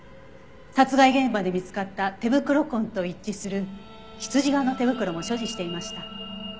殺害現場で見つかった手袋痕と一致する羊革の手袋も所持していました。